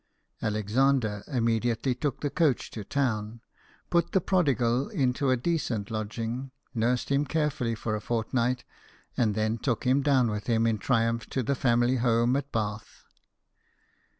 Alexander immediately took the coach to town, put the prodigal into a decent lodging, nursed him carefully for a fortnight, and then took him down with him in triumph to the family home at Bath.